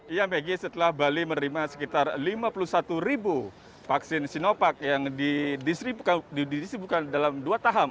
iya maggie setelah bali menerima sekitar lima puluh satu ribu vaksin sinovac yang disibukan dalam dua tahap